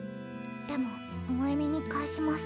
でも萌美に返します。